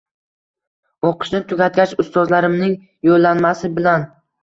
O’qishni tugatgach, ustozlarimning yo’llanmasi bilan